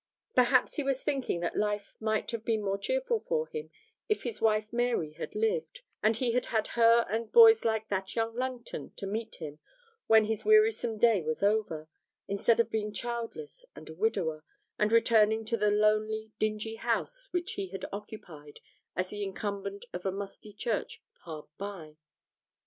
Perhaps he was thinking that life might have been more cheerful for him if his wife Mary had lived, and he had had her and boys like that young Langton to meet him when his wearisome day was over, instead of being childless and a widower, and returning to the lonely, dingy house which he occupied as the incumbent of a musty church hard by.